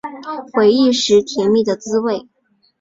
回忆时甜蜜的滋味